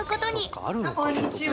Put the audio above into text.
あこんにちは。